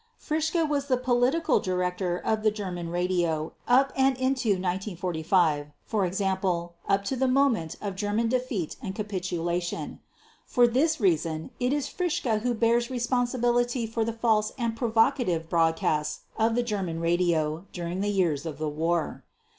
Fritzsche was the political director of the German radio up and into 1945, i. e., up to the moment of German defeat and capitulation. For this reason it is Fritzsche who bears responsibility for the false and provocative broadcasts of the German radio during the years of the war.